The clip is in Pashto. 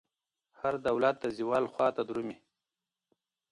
هر دولت د زوال خواته درومي.